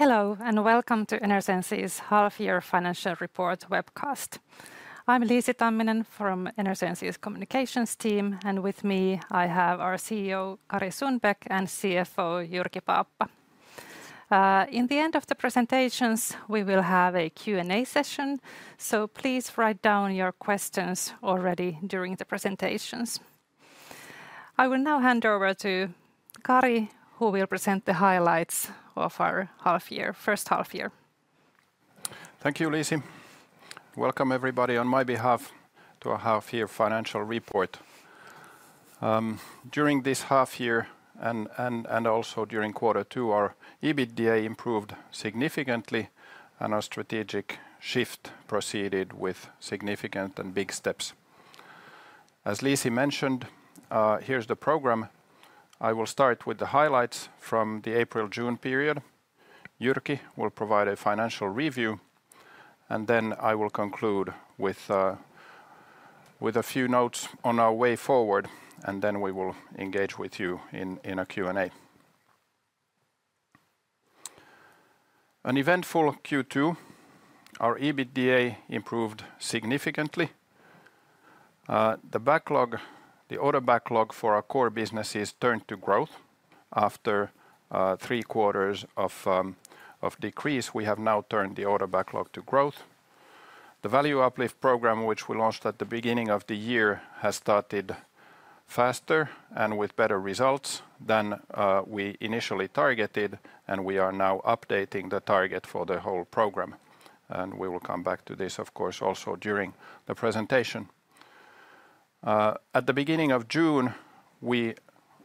Hello and welcome to Enersense International Oyj's half-year financial report webcast. I'm Liisi Tamminen from Enersense International Oyj's communications team, and with me, I have our CEO Kari Sundbäck and CFO Jyrki Paappa. At the end of the presentations, we will have a Q&A session, so please write down your questions already during the presentations. I will now hand over to Kari, who will present the highlights of our first half-year. Thank you, Liisi. Welcome everybody on my behalf to our half-year financial report. During this half-year and also during quarter two, our EBITDA improved significantly, and our strategic shift proceeded with significant and big steps. As Liisi mentioned, here's the program. I will start with the highlights from the April-June period. Jyrki will provide a financial review, and then I will conclude with a few notes on our way forward, and then we will engage with you in a Q&A. An eventful Q2, our EBITDA improved significantly. The order backlog for our core businesses turned to growth. After three quarters of decrease, we have now turned the order backlog to growth. The value uplift program, which we launched at the beginning of the year, has started faster and with better results than we initially targeted, and we are now updating the target for the whole program. We will come back to this, of course, also during the presentation. At the beginning of June, we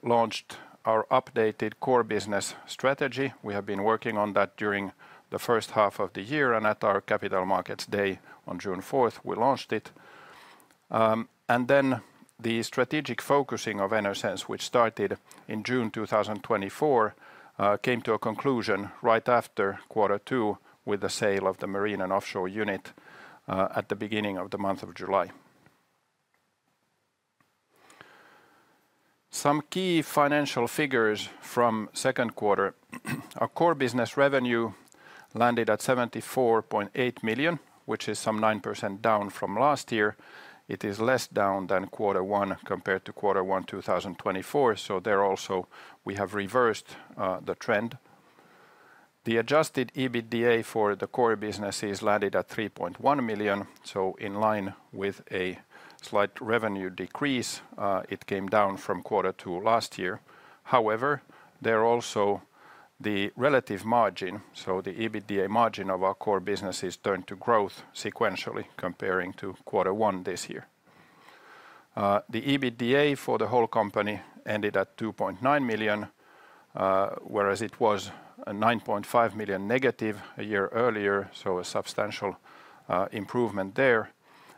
launched our updated core business strategy. We have been working on that during the first half of the year, and at our Capital Markets Day on June 4th, we launched it. The strategic focusing of Enersense, which started in June 2024, came to a conclusion right after quarter two with the sale of the marine and offshore unit at the beginning of the month of July. Some key financial figures from second quarter. Our core business revenue landed at 74.8 million, which is some 9% down from last year. It is less down than quarter one compared to quarter one 2024, so there also, we have reversed the trend. The adjusted EBITDA for the core businesses landed at 3.1 million, so in line with a slight revenue decrease, it came down from quarter two last year. However, there also the relative margin, so the EBITDA margin of our core businesses turned to growth sequentially comparing to quarter one this year. The EBITDA for the whole company ended at 2.9 million, whereas it was 9.5 million negative a year earlier, a substantial improvement there.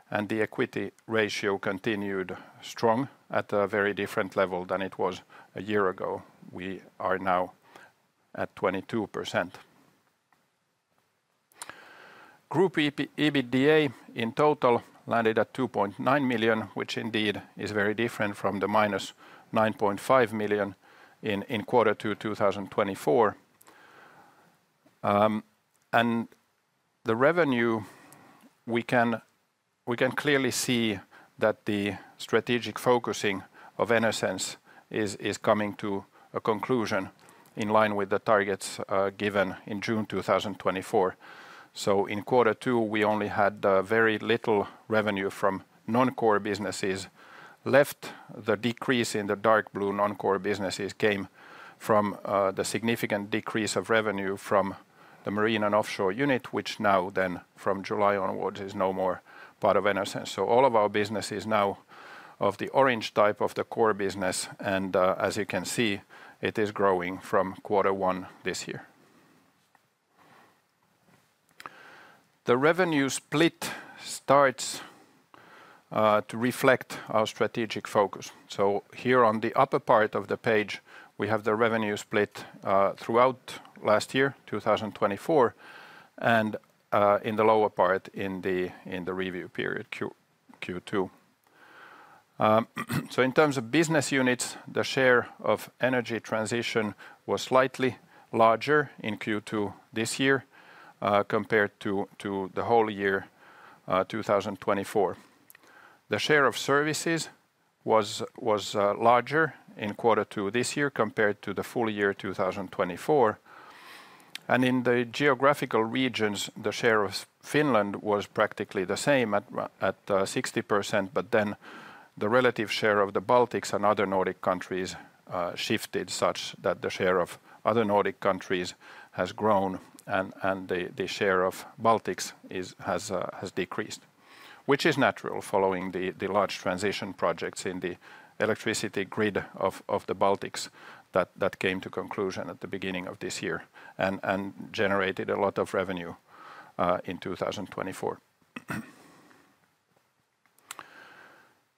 The equity ratio continued strong at a very different level than it was a year ago. We are now at 22%. Group EBITDA in total landed at 2.9 million, which indeed is very different from the minus 9.5 million in quarter two 2024. The revenue, we can clearly see that the strategic focusing of Enersense is coming to a conclusion in line with the targets given in June 2024. In quarter two, we only had very little revenue from non-core businesses left. The decrease in the dark blue non-core businesses came from the significant decrease of revenue from the marine and offshore unit, which now then from July onwards is no more part of Enersense. All of our businesses now of the orange type of the core business, and as you can see, it is growing from quarter one this year. The revenue split starts to reflect our strategic focus. Here on the upper part of the page, we have the revenue split throughout last year, 2024, and in the lower part in the review period, Q2. In terms of business units, the share of energy transition was slightly larger in Q2 this year compared to the whole year 2024. The share of services was larger in quarter two this year compared to the full year 2024. In the geographical regions, the share of Finland was practically the same at 60%, but the relative share of the Baltics and other Nordic countries shifted such that the share of other Nordic countries has grown and the share of Baltics has decreased, which is natural following the large transition projects in the electricity grid of the Baltics that came to conclusion at the beginning of this year and generated a lot of revenue in 2024.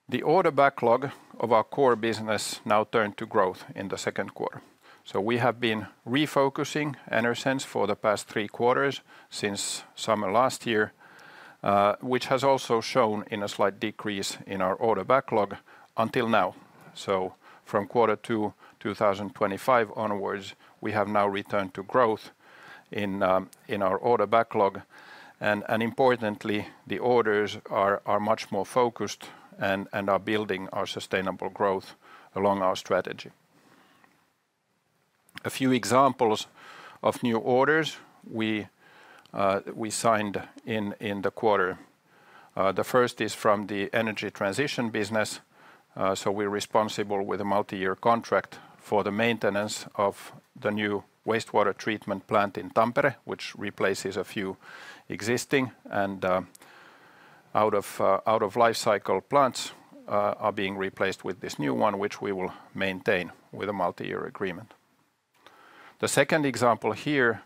The order backlog of our core business now turned to growth in the second quarter. We have been refocusing Enersense for the past three quarters since summer last year, which has also shown in a slight decrease in our order backlog until now. From quarter two 2025 onwards, we have now returned to growth in our order backlog. Importantly, the orders are much more focused and are building our sustainable growth along our strategy. A few examples of new orders we signed in the quarter. The first is from the energy transition business. We're responsible with a multi-year contract for the maintenance of the new wastewater treatment plant in Tampere, which replaces a few existing and out-of-lifecycle plants are being replaced with this new one, which we will maintain with a multi-year agreement. The second example here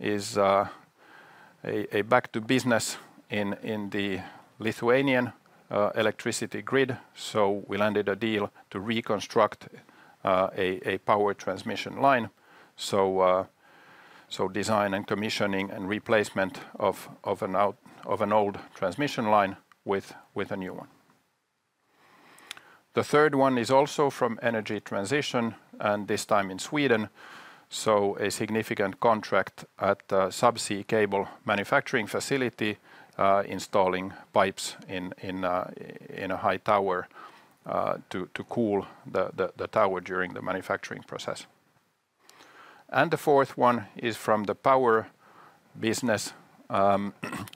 is a back-to-business in the Lithuanian electricity grid. We landed a deal to reconstruct a power transmission line. Design and commissioning and replacement of an old transmission line with a new one. The third one is also from energy transition, and this time in Sweden. A significant contract at the subsea cable manufacturing facility installing pipes in a high tower to cool the tower during the manufacturing process. The fourth one is from the Power business,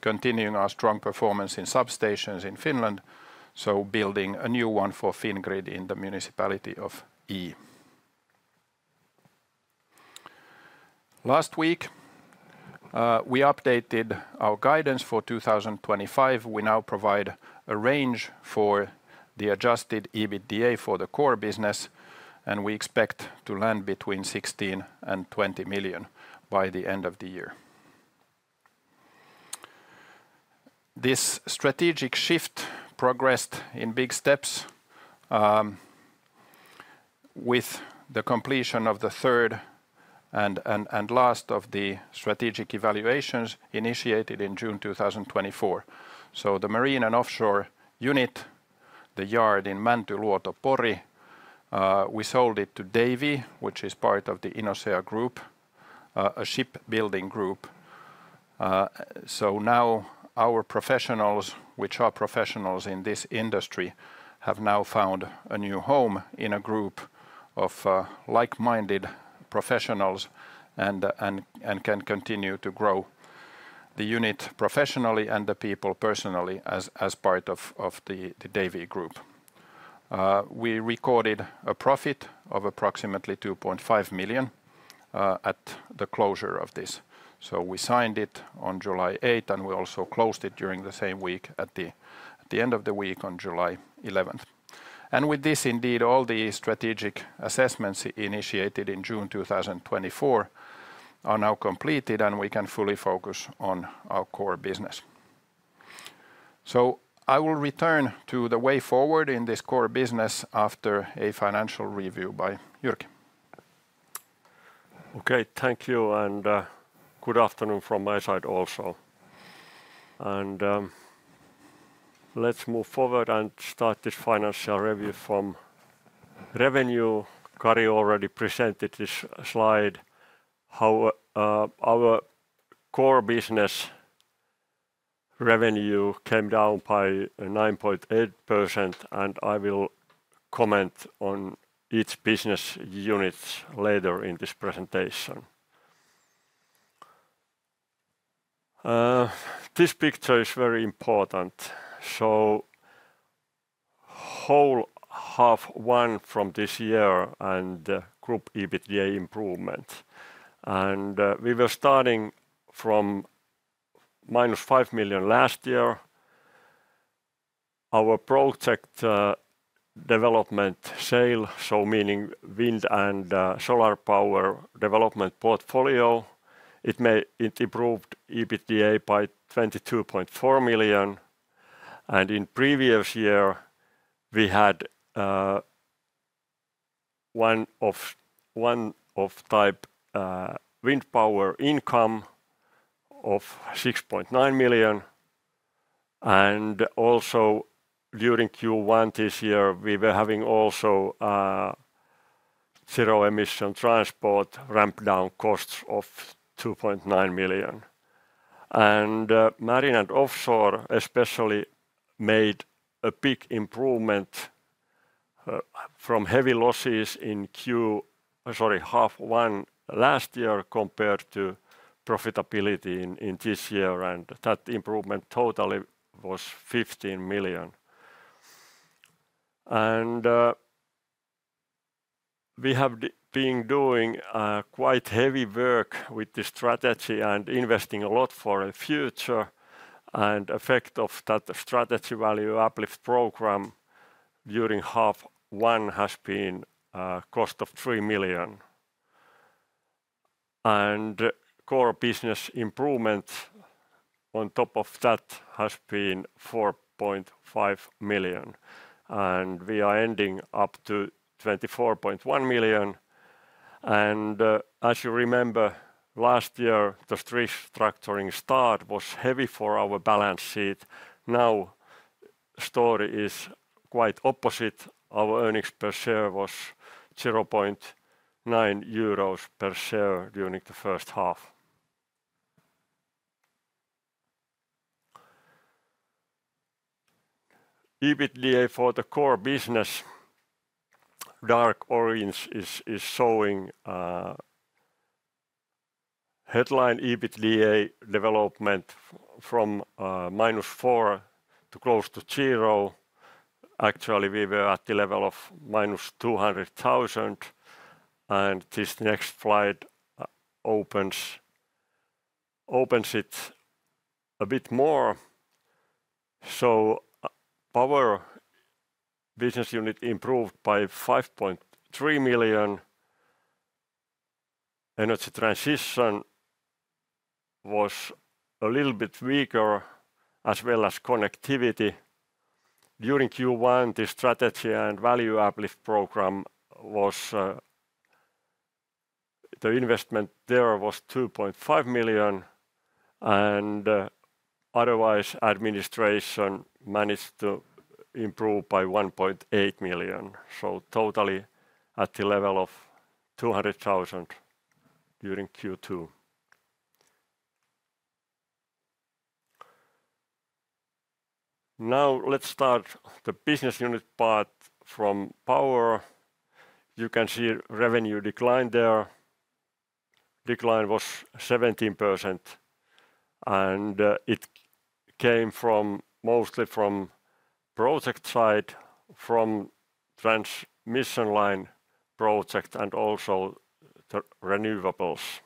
continuing our strong performance in substations in Finland. We are building a new one for Fingrid in the municipality of Yi. Last week, we updated our guidance for 2025. We now provide a range for the adjusted EBITDA for the core business, and we expect to land between 16 million and 20 million by the end of the year. This strategic shift progressed in big steps with the completion of the third and last of the strategic evaluations initiated in June 2024. The marine and offshore unit, the yard in Mantyluoto, Pori, we sold it to Davy, which is part of the Inosea Group, a shipbuilding group. Our professionals, who are professionals in this industry, have now found a new home in a group of like-minded professionals and can continue to grow the unit professionally and the people personally as part of the Davy Group. We recorded a profit of approximately 2.5 million at the closure of this. We signed it on July 8th, and we also closed it during the same week at the end of the week on July 11th. With this, indeed, all the strategic assessments initiated in June 2024 are now completed, and we can fully focus on our core business. I will return to the way forward in this core business after a financial review by Jyrki. Okay, thank you, and good afternoon from my side also. Let's move forward and start this financial review from revenue. Kari already presented this slide. Our core business revenue came down by 9.8%, and I will comment on each business unit later in this presentation. This picture is very important. Whole half one from this year and group EBITDA improvement. We were starting from minus 5 million last year. Our project development sale, so meaning wind and solar power development portfolio, it improved EBITDA by 22.4 million. In the previous year, we had one-off type wind power income of 6.9 million. Also during Q1 this year, we were having zero emission transport ramp down costs of 2.9 million. Marine and offshore especially made a big improvement from heavy losses in Q1, sorry, half one last year compared to profitability in this year. That improvement totally was 15 million. We have been doing quite heavy work with the strategy and investing a lot for the future. The effect of that strategy value uplift program during half one has been close to 3 million. Core business improvement on top of that has been 4.5 million. We are ending up to 24.1 million. As you remember, last year, the restructuring start was heavy for our balance sheet. Now the story is quite opposite. Our earnings per share was 0.9 euros per share during the first half. EBITDA for the core business, dark orange, is showing headline EBITDA development from minus EUR four to close to zero. Actually, we were at the level of minus 200,000. This next slide opens it a bit more. Power business unit improved by 5.3 million. Energy transition was a little bit weaker as well as connectivity. During Q1, the strategy and value uplift program was the investment there was 2.5 million. Otherwise, administration managed to improve by 1.8 million. Totally at the level of 200,000 during Q2. Now let's start the business unit part from power. You can see revenue declined there. Decline was 17%. It came mostly from the project side, from the transmission line project and also the renewables.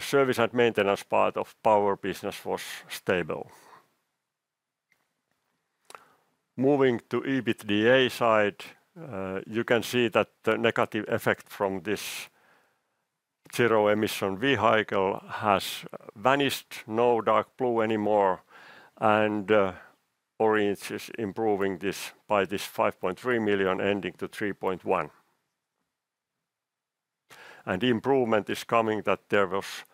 Service and maintenance part of power business was stable. Moving to EBITDA side, you can see that the negative effect from this zero emission vehicle has vanished. No dark blue anymore. Orange is improving this by this 5.3 million ending to 3.1 million. The improvement is coming that there was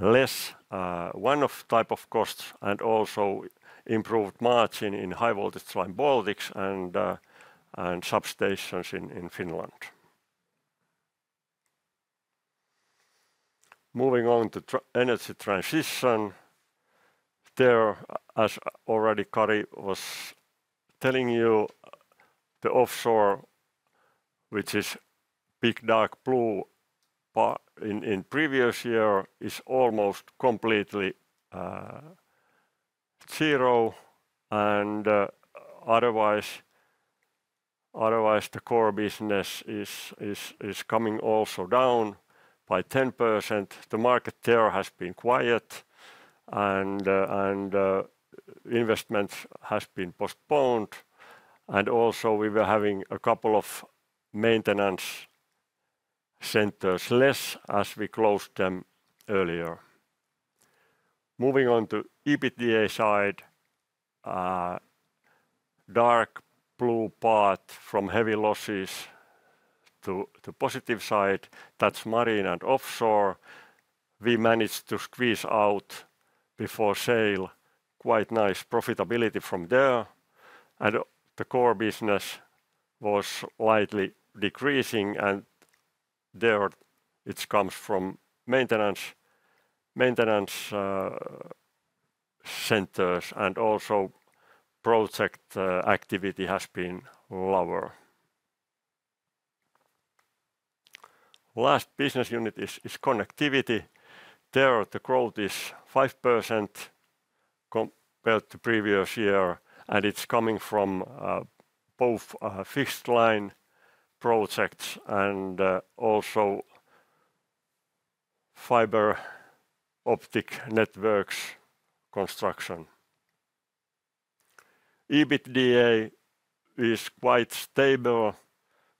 less one of the type of costs and also improved margin in high voltage line Baltics and substations in Finland. Moving on to energy transition. There, as already Kari was telling you, the offshore, which is big dark blue in the previous year, is almost completely zero. Otherwise, the core business is coming also down by 10%. The market there has been quiet, and investments have been postponed. We were having a couple of maintenance centers less as we closed them earlier. Moving on to EBITDA side, dark blue part from heavy losses to the positive side, that's marine and offshore. We managed to squeeze out before sale quite nice profitability from there. The core business was slightly decreasing, and there it comes from maintenance centers. Project activity has been lower. Last business unit is connectivity. There, the growth is 5% compared to the previous year, and it's coming from both fixed line projects and also fiber optic networks construction. EBITDA is quite stable,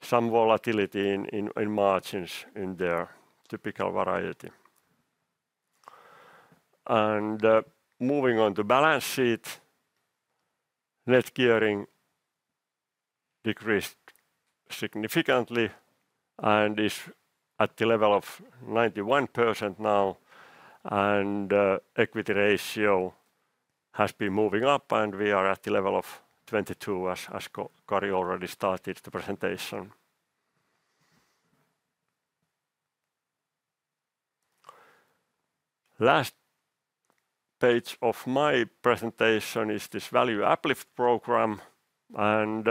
some volatility in margins in their typical variety. Moving on to balance sheet, net gearing decreased significantly and is at the level of 91% now. Equity ratio has been moving up, and we are at the level of 22%, as Kari already started the presentation. Last page of my presentation is this value uplift program, and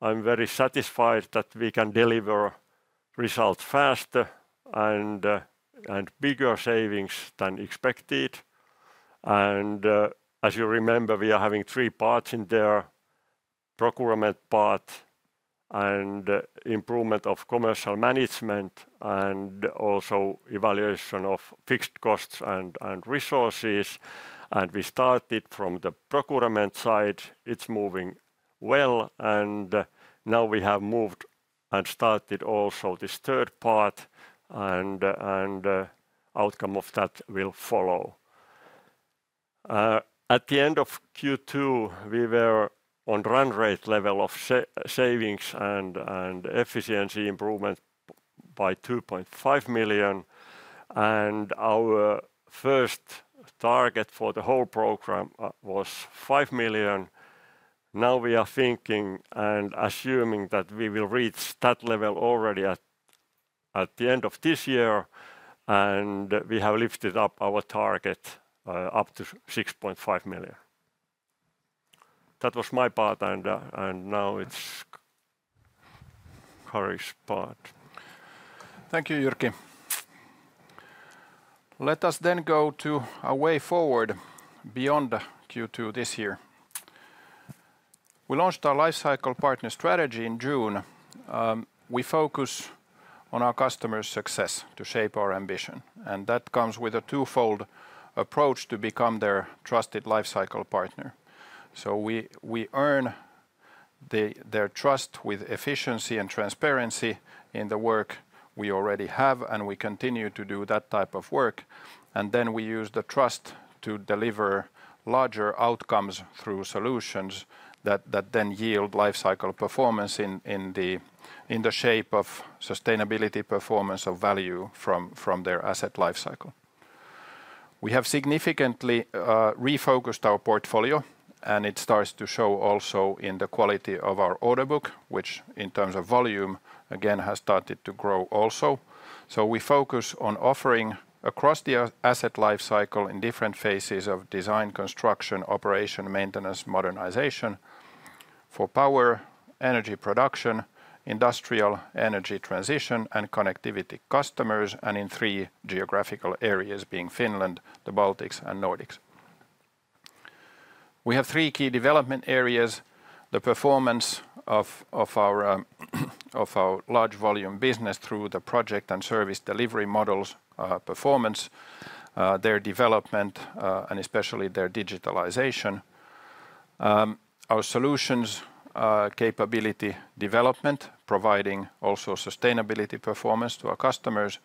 I'm very satisfied that we can deliver results faster and bigger savings than expected. As you remember, we are having three parts in there: procurement part, improvement of commercial management, and also evaluation of fixed costs and resources. We started from the procurement side. It's moving well. Now we have moved and started also this third part, and the outcome of that will follow. At the end of Q2, we were on the run rate level of savings and efficiency improvement by 2.5 million. Our first target for the whole program was 5 million. Now we are thinking and assuming that we will reach that level already at the end of this year, and we have lifted up our target up to 6.5 million. That was my part, and now it's Kari's part. Thank you, Jyrki. Let us then go to our way forward beyond Q2 this year. We launched our lifecycle partner strategy in June. We focus on our customers' success to shape our ambition. That comes with a twofold approach to become their trusted lifecycle partner. We earn their trust with efficiency and transparency in the work we already have, and we continue to do that type of work. We use the trust to deliver larger outcomes through solutions that then yield lifecycle performance in the shape of sustainability performance of value from their asset lifecycle. We have significantly refocused our portfolio, and it starts to show also in the quality of our order book, which in terms of volume, again, has started to grow also. We focus on offering across the asset lifecycle in different phases of design, construction, operation, maintenance, modernization for power, energy production, industrial energy transition, and connectivity customers, and in three geographical areas being Finland, the Baltics, and Nordics. We have three key development areas: the performance of our large volume business through the project and service delivery models performance, their development, and especially their digitalization, our solutions capability development, providing also sustainability performance to our customers,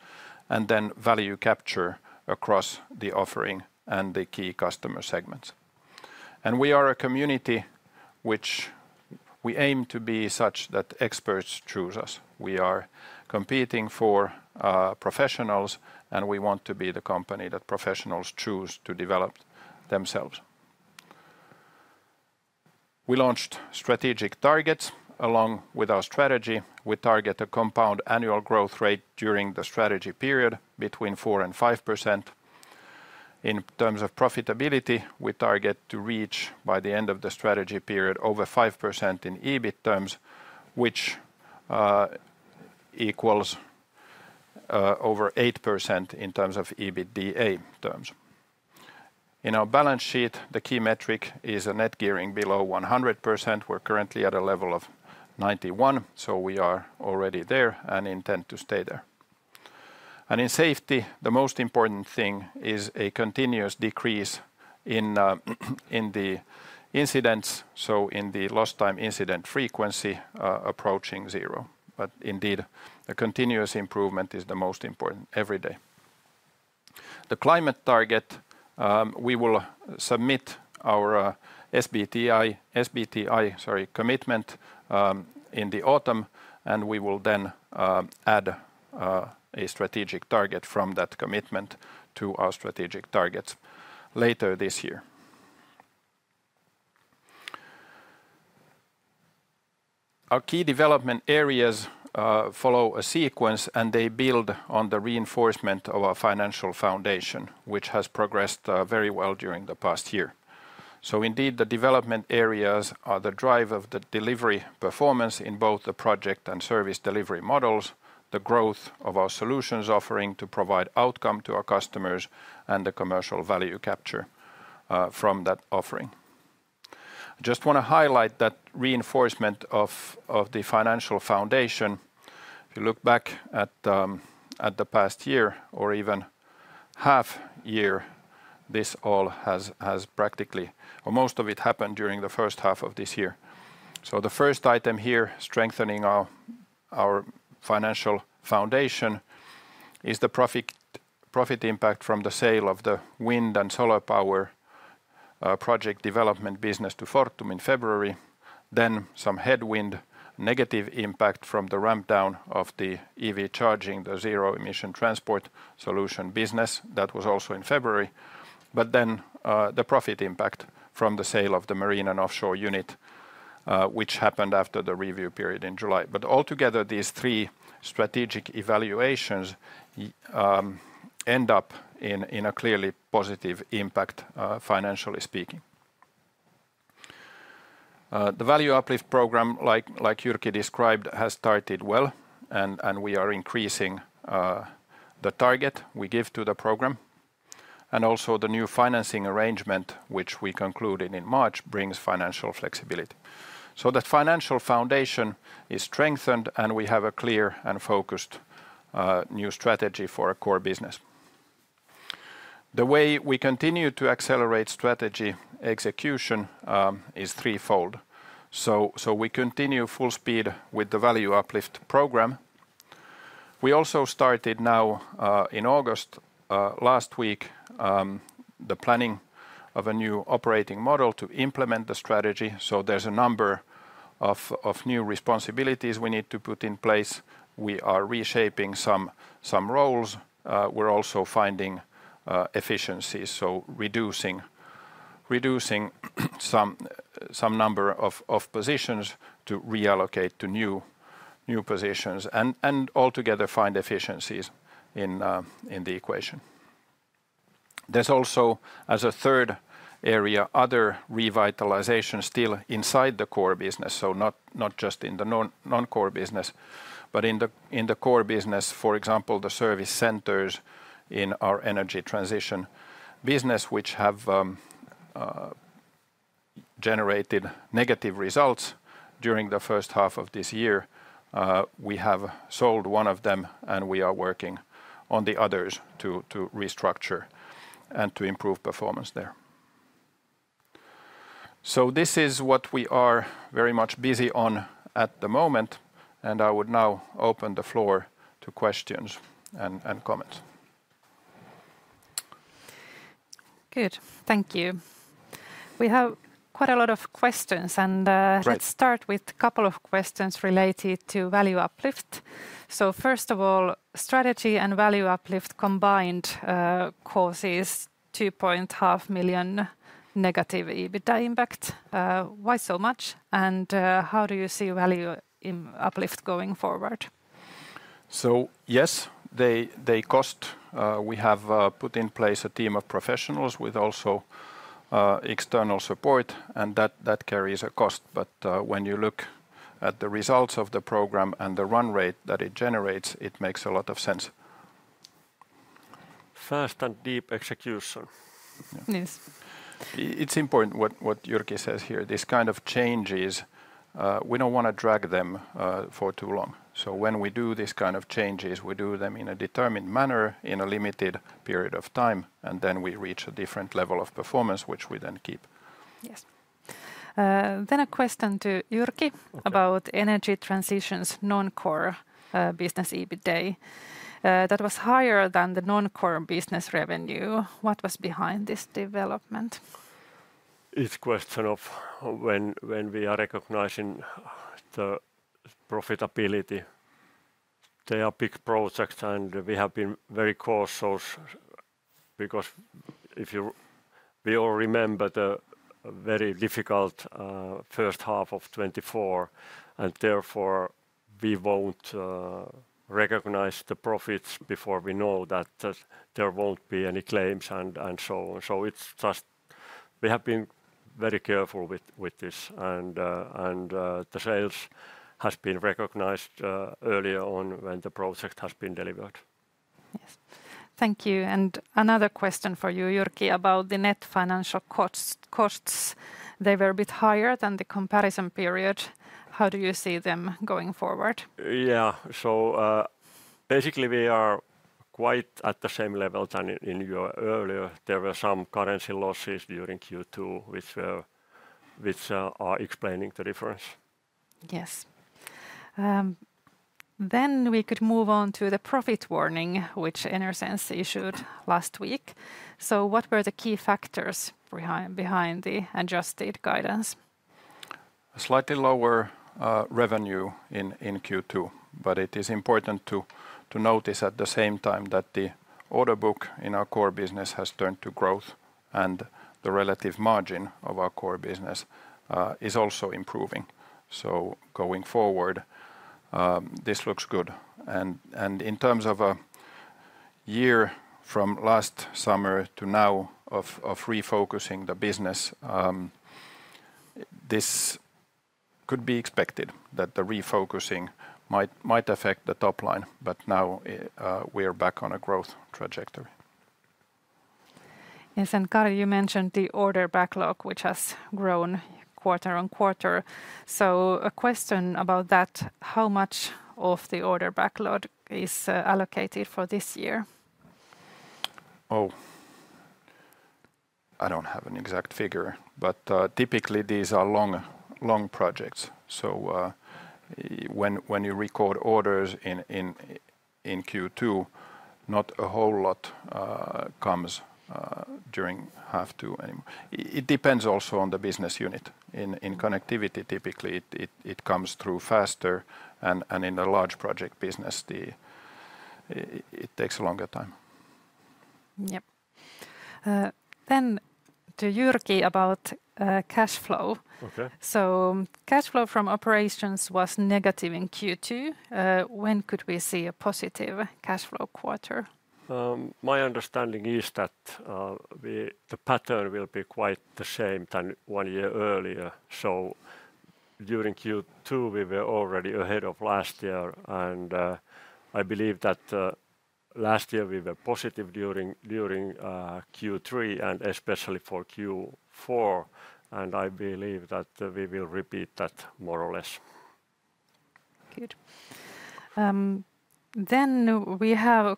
and value capture across the offering and the key customer segments. We are a community which we aim to be such that experts choose us. We are competing for professionals, and we want to be the company that professionals choose to develop themselves. We launched strategic targets along with our strategy. We target a compound annual growth rate during the strategy period between 4% and 5%. In terms of profitability, we target to reach by the end of the strategy period over 5% in EBIT terms, which equals over 8% in terms of EBITDA terms. In our balance sheet, the key metric is a net gearing below 100%. We're currently at a level of 91%, so we are already there and intend to stay there. In safety, the most important thing is a continuous decrease in the incidents, in the lost time incident frequency approaching zero. Indeed, a continuous improvement is the most important every day. The climate target, we will submit our SBTI commitment in the autumn, and we will then add a strategic target from that commitment to our strategic targets later this year. Our key development areas follow a sequence, and they build on the reinforcement of our financial foundation, which has progressed very well during the past year. The development areas are the drive of the delivery performance in both the project and service delivery models, the growth of our solutions offering to provide outcome to our customers, and the commercial value capture from that offering. I just want to highlight that reinforcement of the financial foundation. If you look back at the past year or even half year, this all has practically, or most of it happened during the first half of this year. The first item here, strengthening our financial foundation, is the profit impact from the sale of the wind and solar power project development business to Fortum in February. There was some headwind negative impact from the ramp down of the EV charging, the zero emission transport solution business. That was also in February. The profit impact from the sale of the marine and offshore unit, which happened after the review period in July, is also included. Altogether, these three strategic evaluations end up in a clearly positive impact, financially speaking. The value uplift program, like Jyrki described, has started well, and we are increasing the target we give to the program. The new financing arrangement, which we concluded in March, brings financial flexibility. The financial foundation is strengthened, and we have a clear and focused new strategy for our core business. The way we continue to accelerate strategy execution is threefold. We continue full speed with the value uplift program. We also started now in August last week the planning of a new operating model to implement the strategy. There are a number of new responsibilities we need to put in place. We are reshaping some roles. We're also finding efficiencies, reducing some number of positions to reallocate to new positions and altogether find efficiencies in the equation. There is also, as a third area, other revitalization still inside the core business, not just in the non-core business, but in the core business, for example, the service centers in our energy transition business, which have generated negative results during the first half of this year. We have sold one of them, and we are working on the others to restructure and to improve performance there. This is what we are very much busy on at the moment, and I would now open the floor to questions and comments. Good. Thank you. We have quite a lot of questions, and let's start with a couple of questions related to value uplift. First of all, strategy and value uplift combined causes 2.5 million negative EBITDA impact. Why so much, and how do you see value uplift going forward? Yes, they cost. We have put in place a team of professionals with also external support, and that carries a cost. When you look at the results of the program and the run rate that it generates, it makes a lot of sense. First and deep execution. Yes. It's important what Jyrki says here. These kind of changes, we don't want to drag them for too long. When we do these kind of changes, we do them in a determined manner in a limited period of time, and then we reach a different level of performance, which we then keep. Yes. A question to Jyrki about energy transition's non-core business EBITDA that was higher than the non-core business revenue. What was behind this development? It's a question of when we are recognizing the profitability. They are big projects, and we have been very cautious because if you all remember the very difficult first half of 2024, and therefore we won't recognize the profits before we know that there won't be any claims and so on. We have been very careful with this, and the sales have been recognized earlier on when the project has been delivered. Yes. Thank you. Another question for you, Jyrki, about the net financial costs. They were a bit higher than the comparison period. How do you see them going forward? Yeah. Basically, we are quite at the same level than in year earlier. There were some currency losses during Q2, which are explaining the difference. Yes. We could move on to the profit warning, which Enersense issued last week. What were the key factors behind the adjusted guidance? Slightly lower revenue in Q2, but it is important to notice at the same time that the order book in our core business has turned to growth, and the relative margin of our core business is also improving. Going forward, this looks good. In terms of a year from last summer to now of refocusing the business, this could be expected that the refocusing might affect the top line, but now we are back on a growth trajectory. Yes, Kari, you mentioned the order backlog, which has grown quarter on quarter. A question about that: how much of the order backlog is allocated for this year? I don't have an exact figure, but typically, these are long projects. When you record orders in Q2, not a whole lot comes during half two. It depends also on the business unit. In Connectivity, typically, it comes through faster, and in the large project business, it takes a longer time. Jyrki, about cash flow. Cash flow from operations was negative in Q2. When could we see a positive cash flow quarter? My understanding is that the pattern will be quite the same as one year earlier. During Q2, we were already ahead of last year, and I believe that last year we were positive during Q3 and especially for Q4. I believe that we will repeat that more or less. Good. We have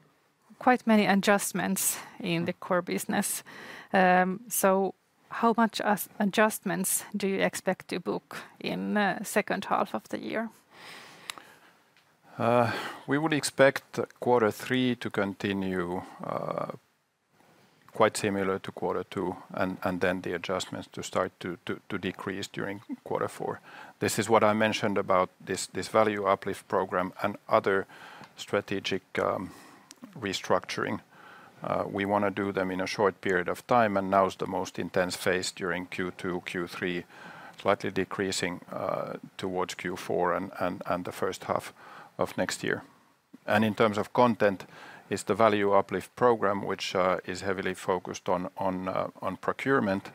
quite many adjustments in the core business. How much adjustments do you expect to book in the second half of the year? We would expect quarter three to continue quite similar to quarter two, and then the adjustments to start to decrease during quarter four. This is what I mentioned about this value uplift program and other strategic restructuring. We want to do them in a short period of time, and now is the most intense phase during Q2, Q3, slightly decreasing towards Q4 and the first half of next year. In terms of content, it's the value uplift program, which is heavily focused on procurement.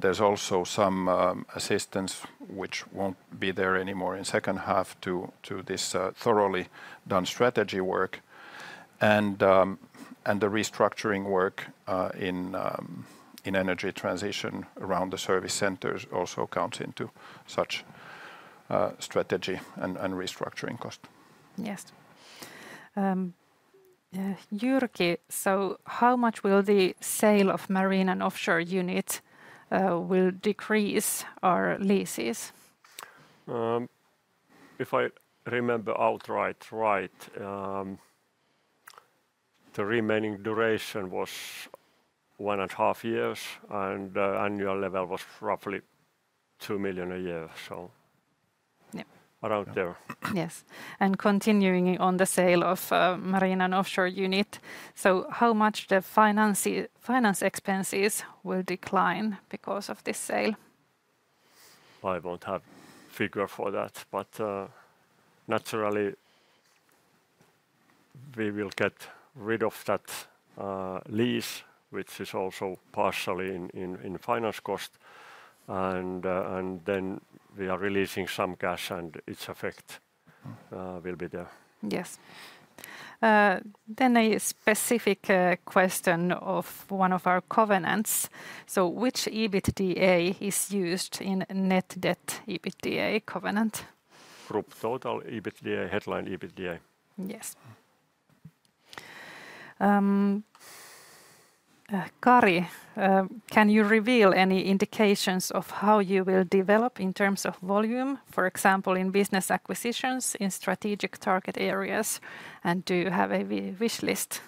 There's also some assistance, which won't be there anymore in the second half to this thoroughly done strategy work. The restructuring work in energy transition around the service centers also counts into such strategy and restructuring cost. Yes. Jyrki, so how much will the sale of marine and offshore unit decrease our leases? If I remember outright, the remaining duration was one and a half years, and the annual level was roughly 2 million a year, so around there. Yes, continuing on the sale of the marine and offshore unit, how much will the finance expenses decline because of this sale? I won't have a figure for that, but naturally, we will get rid of that lease, which is also partially in finance cost. We are releasing some cash, and its effect will be there. Yes. A specific question of one of our covenants: which EBITDA is used in net debt/EBITDA covenant? Group total EBITDA, headline EBITDA. Yes. Kari, can you reveal any indications of how you will develop in terms of volume, for example, in business acquisitions in strategic target areas, and do you have a wish list?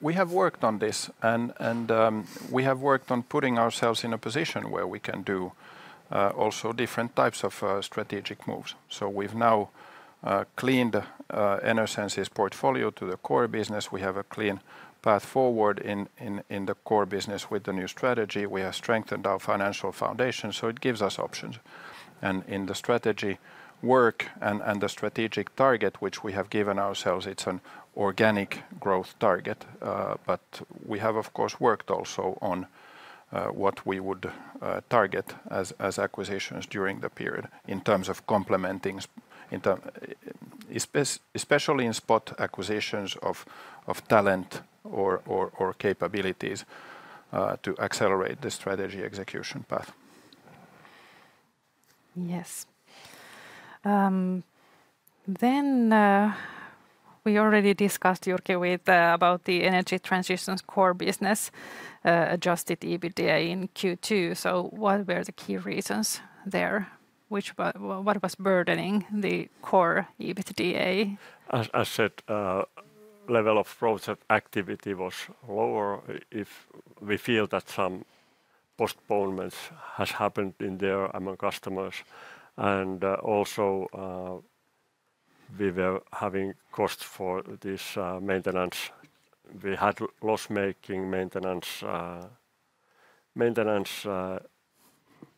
We have worked on this, and we have worked on putting ourselves in a position where we can do also different types of strategic moves. We have now cleaned Enersense's portfolio to the core business. We have a clean path forward in the core business with the new strategy. We have strengthened our financial foundation, so it gives us options. In the strategy work and the strategic target which we have given ourselves, it's an organic growth target. We have, of course, worked also on what we would target as acquisitions during the period in terms of complementing, especially in spot acquisitions of talent or capabilities to accelerate the strategy execution path. Yes. We already discussed, Jyrki, about the energy transition's core business adjusted EBITDA in Q2. What were the key reasons there? What was burdening the core EBITDA? As I said, the level of project activity was lower. We feel that some postponements have happened in there among customers, and also we were having costs for this maintenance. We had loss making maintenance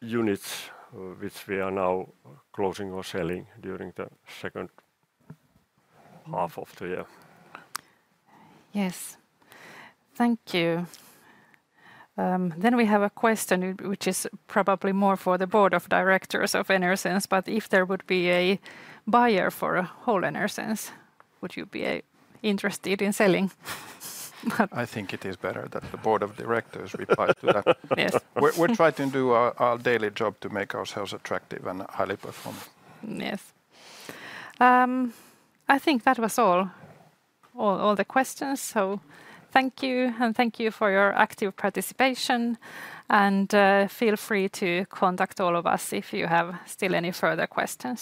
units, which we are now closing or selling during the second half of the year. Yes. Thank you. We have a question which is probably more for the Board of Directors of Enersense, but if there would be a buyer for whole Enersense, would you be interested in selling? I think it is better that the Board of Directors replies to that. We're trying to do our daily job to make ourselves attractive and highly performed. Yes, I think that was all the questions. Thank you, and thank you for your active participation. Feel free to contact all of us if you have still any further questions.